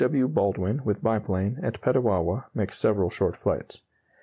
W. Baldwin, with biplane, at Petawawa, makes several short flights.